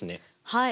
はい。